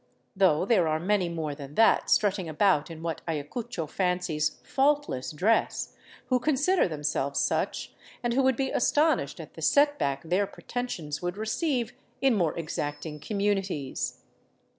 though there are many more than that, strutting about in what Aya cucho fancies faultless dress, who consider themselves such, and who would be astonished at the set back their pretentions would receive in more exacting communities.